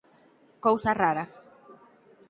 Cousa rara.